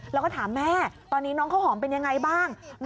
แล้วก็ถามแม่ตอนนี้น้องข้าวหอมเป็นยังไงบ้าง